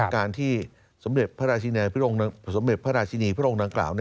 การที่สมเด็จพระราชินีพระองค์ดังกล่าว